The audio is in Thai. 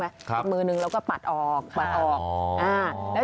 ให้โดนท้าวด้วย